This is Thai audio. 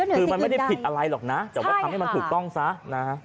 คือมันไม่ได้ผิดอะไรหรอกนะแต่ว่าทำให้มันถูกต้องซะนะฮะ